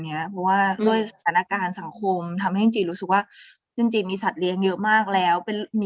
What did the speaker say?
เพราะว่าด้วยสถานการณ์สังคมทำให้จริงรู้สึกว่าจริงมีสัตว์เลี้ยงเยอะมากแล้ว